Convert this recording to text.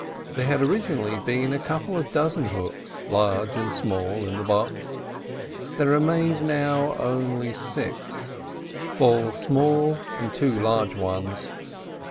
There had originally been a couple of dozen hooks, large and small, in the box; there remained now only six—four small and two large ones.